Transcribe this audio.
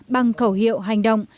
bằng khẩu hiệu hành động